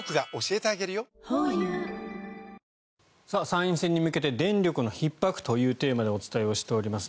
参院選に向けて電力のひっ迫というテーマでお伝えをしております。